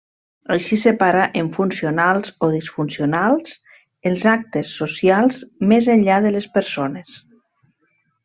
Així separa en funcionals o disfuncionals els actes socials, més enllà de les persones.